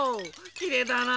きれいだな。